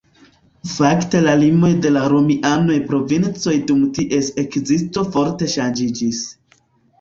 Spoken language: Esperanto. Fakte la limoj de la romiaj provincoj dum ties ekzisto forte ŝanĝiĝis.